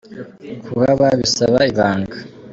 Kuhaba bisaba ibanga